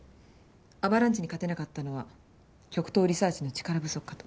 アバランチに勝てなかったのは極東リサーチの力不足かと。